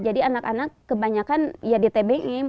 jadi anak anak kebanyakan ya di tbm